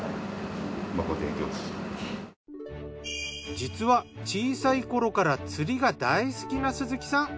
実は小さい頃から釣りが大好きな鈴木さん。